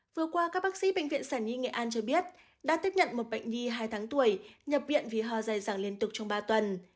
vừa qua các bác sĩ bệnh viện sản nhi nghệ an cho biết đã tiếp nhận một bệnh nhi hai tháng tuổi nhập viện vì ho dài dẳng liên tục trong ba tuần